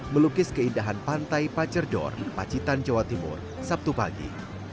melukis keindahan pantai pacerdor pacitan jawa timur sabtu pagi